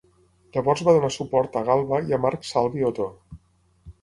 Llavors va donar suport a Galba i a Marc Salvi Otó.